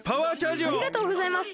ありがとうございます！